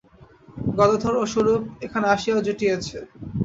গদাধর ও স্বরূপ এখানে আসিয়াও জুটিয়াছে।